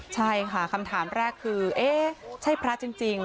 ใช่ค่ะคำถามแรกคือเอ๊ะใช่พระจริง